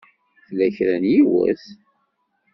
Tella kra n yiwet?